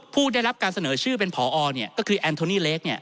ผู้ได้รับการเสนอชื่อเป็นผอก็คือแอนโทนี่เล็ก